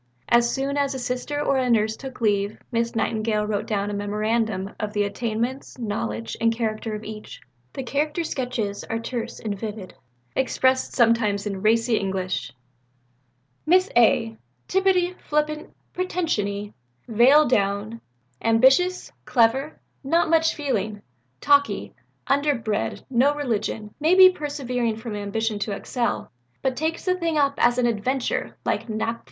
As soon as a Sister or a Nurse took leave, Miss Nightingale wrote down a memorandum of the attainments, knowledge, and character of each. The character sketches are terse and vivid, expressed sometimes in racy English. "Miss A. Tittupy, flippant, pretension y, veil down, ambitious, clever, not much feeling, talk y, underbred, no religion, may be persevering from ambition to excel, but takes the thing up as an adventure like Nap. III."